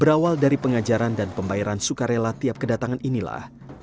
berawal dari pengajaran dan pembayaran sukarela tiap kedatangan inilah